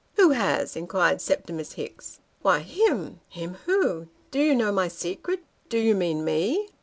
Who has ?" inquired Septimus Hicks. ' Why him." Him, who ? Do you know my secret ? Do you mean me